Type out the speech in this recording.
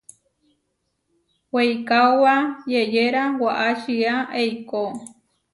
Weikaóba yeʼyéra waʼá čía eikó.